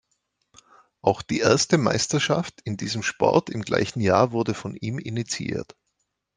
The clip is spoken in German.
Auch die erste Meisterschaft in diesem Sport im gleichen Jahr wurde von ihm initiiert.